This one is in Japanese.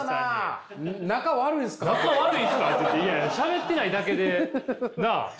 いやいやしゃべってないだけでなあ。